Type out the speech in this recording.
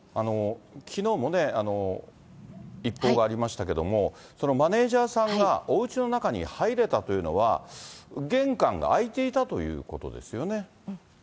きのうもね、一報がありましたけれども、マネージャーさんがおうちの中に入れたというのは、玄関が開いていたということですよね。